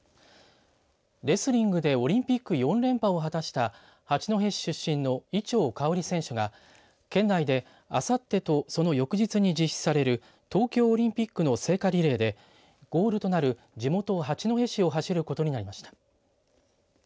レスリングでオリンピック４連覇を果たした八戸市出身の伊調馨選手が県内であさってと、その翌日に実施される東京オリンピックの聖火リレーでゴールとなる地元、八戸市を走ることになりました。